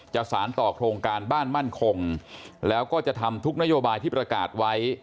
สารต่อโครงการบ้านมั่นคงแล้วก็จะทำทุกนโยบายที่ประกาศไว้